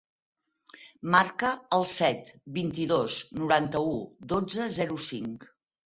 Marca el set, vint-i-dos, noranta-u, dotze, zero, cinc.